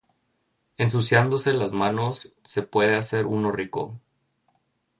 Ensuciandose las manos, se puede hacer uno rico.